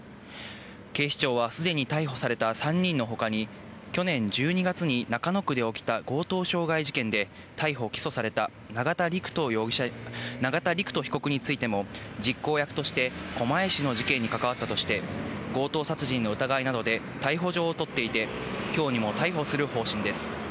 警視庁はすでに逮捕された３人のほかに、去年１２月に中野区で起きた強盗傷害事件で、逮捕・起訴された永田陸人被告についても、実行役として狛江市の事件にかかわったとして、強盗殺人の疑いなどで逮捕状を取っていて、きょうにも逮捕する方針です。